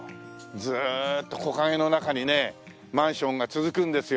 ずーっと木陰の中にねマンションが続くんですよ。